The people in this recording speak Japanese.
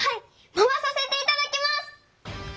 まわさせていただきます！